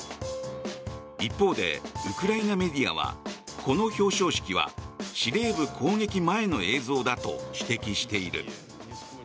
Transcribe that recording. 一方で、ウクライナメディアはこの表彰式は司令部攻撃前の映像だと指摘している。